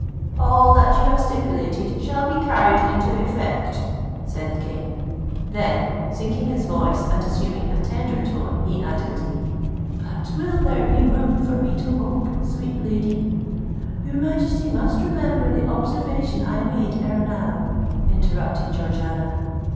"All that you have stipulated, shall be carried into effect," said the King: then, sinking his voice and assuming a tender tone, he added, "But will there be room for me to hope, sweet lady——" "Your Majesty must remember the observation I made ere now," interrupted Georgiana.